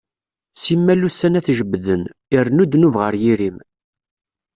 Simmal ussan ad t-jebbden, irennu dnub ɣer tiri-m.